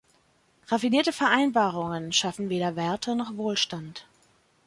Raffinierte Vereinbarungen schaffen weder Werte noch Wohlstand.